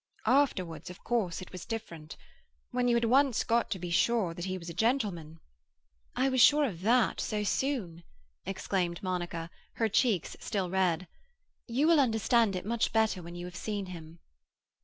"Afterwards, of course, it was different. When you had once got to be sure that he was a gentleman—" "I was sure of that so soon," exclaimed Monica, her cheeks still red. "You will understand it much better when you have seen him."